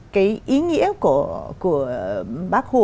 cái ý nghĩa của bác hồ